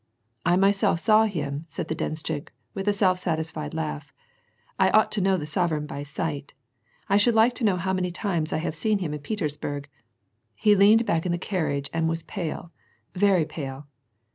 "I myself saw him," said the denshchik, with a self satisfied langhy ^' I ought to know the sovereign by sight ; I should like to know how many times I have seen him in Petersburg ! He leaned back in the carriage and was pale, very pale.